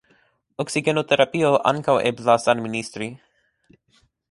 Oksigenoterapio ankaŭ eblas administri.